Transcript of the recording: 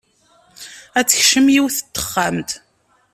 Ad tekcem yiwet n texxamt.